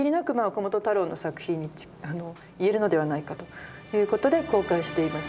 岡本太郎の作品いえるのではないかということで公開しています。